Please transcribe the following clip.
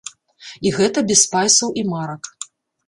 І гэта без спайсаў і марак.